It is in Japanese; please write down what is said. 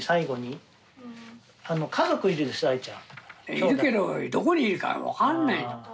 いるけどどこにいるか分かんないんだもん。